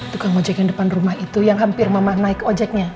tukang ojek yang depan rumah itu yang hampir memaknai ke ojeknya